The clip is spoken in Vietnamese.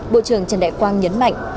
bộ trưởng trần đại quang nhấn mạnh